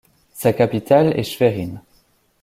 Sa capitale est Schwerin.